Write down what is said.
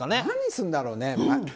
何をするんだろうね。